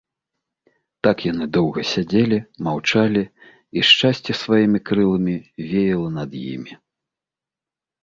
Так яны доўга сядзелі, маўчалі, і шчасце сваімі крыламі веяла над імі.